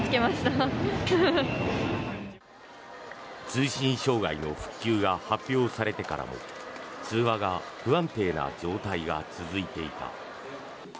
通信障害の復旧が発表されてからも通話が不安定な状態が続いていた。